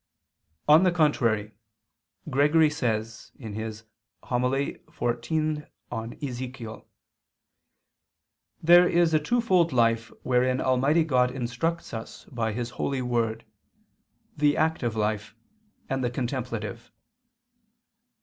On the contrary, Gregory says (Hom. xiv super Ezech.): "There is a twofold life wherein Almighty God instructs us by His holy word, the active life and the contemplative."